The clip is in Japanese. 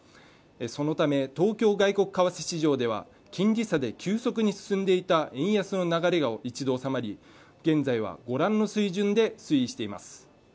そのため東京外国為替市場では金利差で急速に進んでいた円安の流れが一度収まり現在はご覧の水準で推移しています